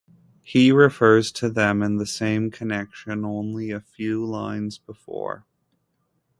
He refers to them in the same connection only a few lines before.